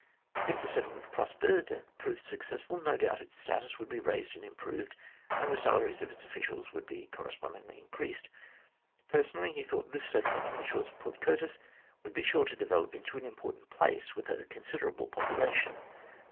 If the settlement prospered and proved successful, no doubt its status would be raised and improved, and the salaries of its officials would be correspondingly increased. Personally, he thought this settlement on the shores of Port Curtis would be sure to develop into an important place, with a considerable population.